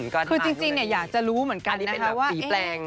คือจริงอยากจะรู้เหมือนกันนะคะว่า